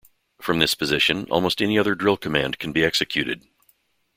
From this position, almost any other drill command can be executed.